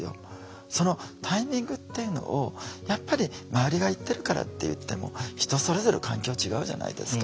そのタイミングっていうのをやっぱり周りが言ってるからっていっても人それぞれ環境違うじゃないですか。